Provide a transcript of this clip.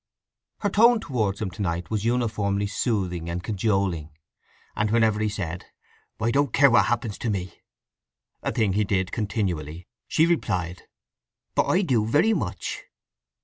Her tone towards him to night was uniformly soothing and cajoling; and whenever he said "I don't care what happens to me," a thing he did continually, she replied, "But I do very much!"